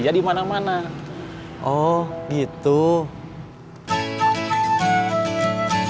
jadi kalau ada yang minat ke cimpringnya